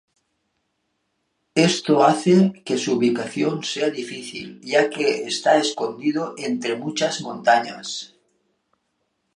Esto hace que su ubicación sea difícil ya que está escondido entre muchas montañas.